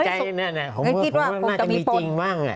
หรือว่าคงจะมีปน